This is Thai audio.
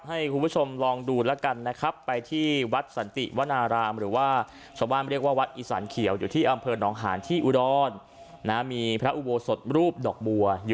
ให้คุณผู้ชมลองดูแล้วกันนะครับ